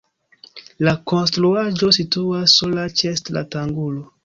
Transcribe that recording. La konstruaĵo situas sola ĉe stratangulo.